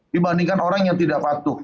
dibandingkan orang yang tidak patuh